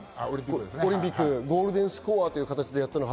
オリンピック、ゴールデンスコアという形でやったのは。